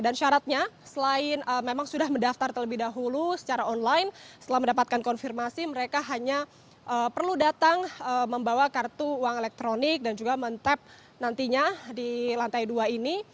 dan syaratnya selain memang sudah mendaftar terlebih dahulu secara online setelah mendapatkan konfirmasi mereka hanya perlu datang membawa kartu uang elektronik dan juga mentep nantinya di lantai dua ini